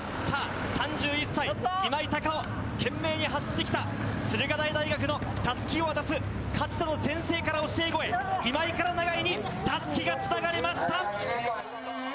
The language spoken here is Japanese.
さあ、３１歳、今井たかお、懸命に走ってきた駿河台大学のたすきを渡す、かつての先生から教え子へ、今井から永井にたすきがつながりました。